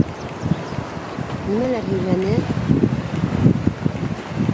Нимәләр һөйләне?!